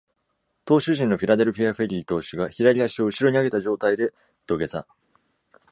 投手陣のフィラデルフィア・フィリー投手が、左足を後ろに上げた状態で土下座。